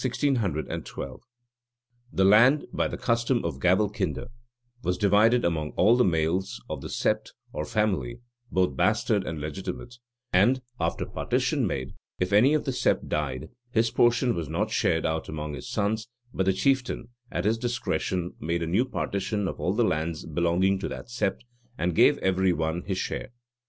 {1612.} The land, by the custom of gavelkinde, was divided among all the males of the sept, or family, both bastard and legitimate: and, after partition made if any of the sept died, his portion was not shared out among his sons, but the chieftain, at his discretion, made a new partition of all the lands belonging to that sept, and gave every one his share.